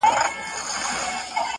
بخته راته یو ښکلی صنم راکه,